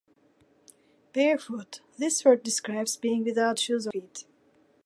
"Barefoot" - This word describes being without shoes or socks, having only bare feet.